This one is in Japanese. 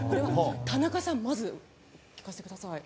田中さんまず聞かせてください。